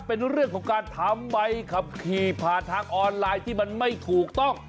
เป็นเรื่องของการทำใบขับขี่ผ่านทางออนไลน์ที่มันไม่ถูกต้อง